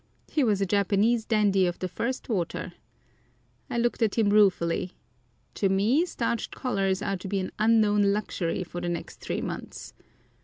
He was a Japanese dandy of the first water. I looked at him ruefully. To me starched collars are to be an unknown luxury for the next three months.